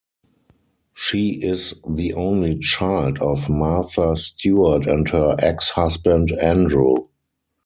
She is the only child of Martha Stewart and her ex-husband Andrew.